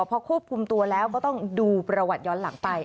พอควบคุมตัวแล้วก็ต้องดูประวัติย้อนหลังไป